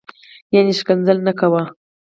یعنی شکنځل نه کوه